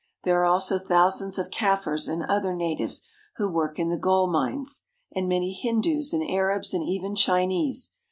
There are also thousands of Kaffirs and other natives, who work in the gold mines, and many Hindoos and Arabs and even Chinese.